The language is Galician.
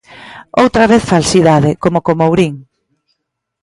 Outra vez falsidade, como co Mourín.